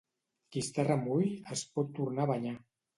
Qui està remull, es pot tornar a banyar.